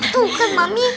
tuh kan mami